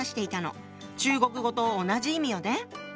中国語と同じ意味よね。